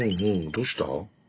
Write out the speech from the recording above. どうした？